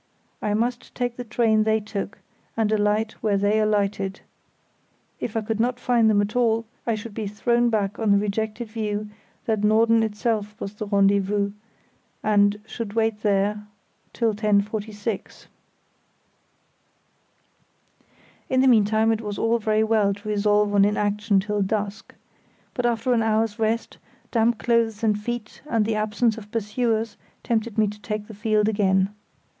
I must take the train they took, and alight where they alighted. If I could not find them at all I should be thrown back on the rejected view that Norden itself was the rendezvous, and should wait there till 10.46. In the meantime it was all very well to resolve on inaction till dusk; but after an hour's rest, damp clothes and feet, and the absence of pursuers, tempted me to take the field again.